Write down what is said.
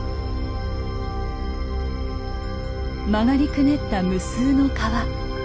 曲がりくねった無数の川。